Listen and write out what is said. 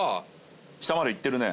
下までいってるね